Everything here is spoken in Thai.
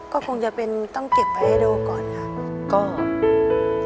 ก็คงจะเป็นต้องเก็บไว้ให้ดูก่อนค่ะ